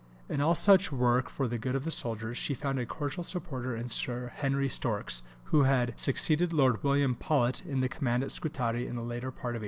In all such work for the good of the soldiers, she found a cordial supporter in Sir Henry Storks, who had succeeded Lord William Paulet in the command at Scutari in the latter part of 1855.